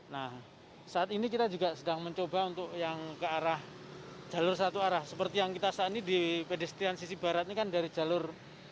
nah saat ini kita juga sedang mencoba untuk yang ke arah jalur satu arah seperti yang kita saat ini di pedestrian sisi barat ini kan dari jalur